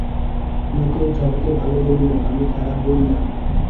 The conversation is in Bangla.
লোকে ঝড়কে ভাল বলিল, আমি খারাপ বলিলাম।